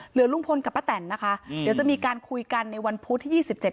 ลุงพลกับป้าแตนนะคะเดี๋ยวจะมีการคุยกันในวันพุธที่ยี่สิบเจ็ด